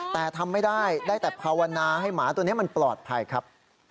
แต่ทำไม่ได้ได้แต่ภาวนาให้หมาตัวนี้มันปลอดภัยครับ